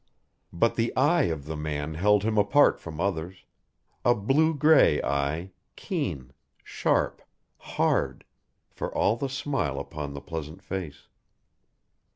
But the eye of the man held him apart from others; a blue grey eye, keen, sharp, hard, for all the smile upon the pleasant face.